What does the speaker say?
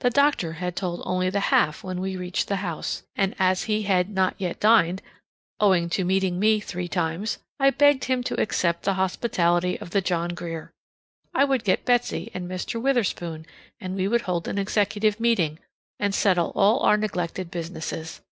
The doctor had told only the half when we reached the house, and as he had not yet dined, owing to meeting me three times, I begged him to accept the hospitality of the John Grier. I would get Betsy and Mr. Witherspoon, and we would hold an executive meeting, and settle all our neglected businesses.